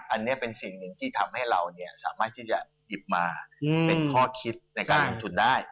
อันนี้เป็นสิ่งหนึ่งที่ทำให้เราสามารถที่จะหยิบมาเป็นข้อคิดในการลงทุนได้